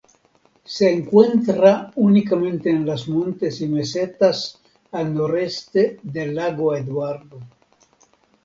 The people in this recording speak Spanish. Se encuentra únicamente en los montes y mesetas al noreste del lago Eduardo.